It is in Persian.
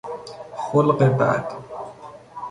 خلق بد